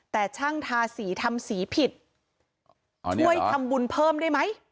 แต่ช่างทาสีทำสีผิดช่วยทำบุญเพิ่มได้ไหม